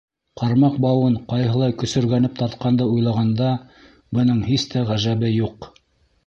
Ҡармаҡ бауын ҡайһылай көсөргәнеп тартҡанды уйлағанда, бының һис тә ғәжәбе юҡ.